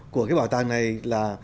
của cái bảo tàng đó là